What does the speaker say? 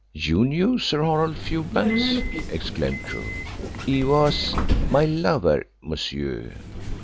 "You knew Sir Horace Fewbanks?" exclaimed Crewe. "He was my lover, monsieur."